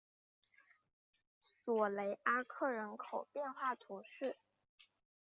索雷阿克人口变化图示